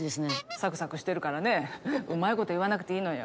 サクサクしてるからねうまいこと言わなくていいのよ。